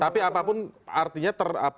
tapi apapun artinya